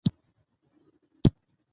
بې ځایه خبرې کول ښه کار نه دی.